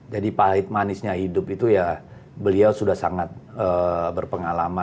jadi pahit manisnya hidup itu ya beliau sudah sangat berpengalaman lah